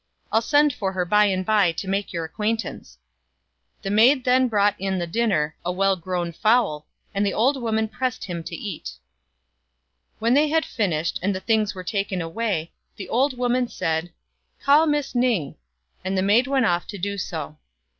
I'll send for her by and by to make your acquaintance." The maid then brought in the dinner a large dish full of choice morsels of fowl and the old woman pressed him to eat. When they had finished, and the things were taken away, the old woman said, " Call Miss Ning," and the maid went off to do so.